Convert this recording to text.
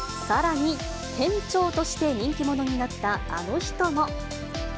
さらに、店長として人気者になったあの人も。